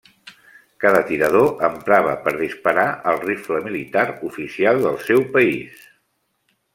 Cada tirador emprava per disparar el rifle militar oficial del seu país.